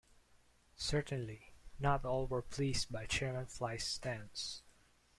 Certainly, not all were pleased by Chairman Fly's stance.